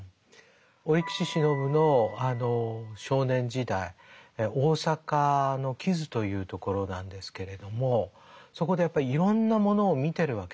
折口信夫の少年時代大阪の木津という所なんですけれどもそこでやっぱりいろんなものを見てるわけですよね。